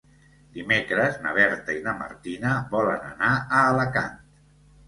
Dimecres na Berta i na Martina volen anar a Alacant.